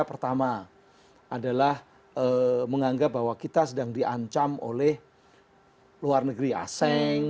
pertama adalah menganggap bahwa kita sedang diancam oleh luar negeri asing